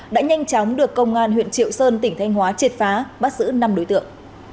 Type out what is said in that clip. đã nhanh chóng được công an huyện triệu sơn tỉnh thanh hóa triệt phá bắt giữ năm đối tượng